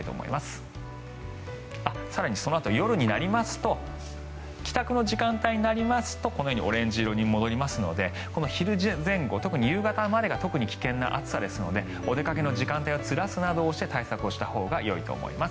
更にそのあと夜になりますと帰宅の時間帯になりますとこのようにオレンジ色に戻りますので昼前後特に夕方までが特に危険な暑さですのでお出かけの時間帯をずらすなどして対策をしたほうがいいと思います。